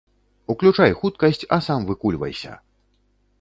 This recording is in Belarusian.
Уключай хуткасць, а сам выкульвайся.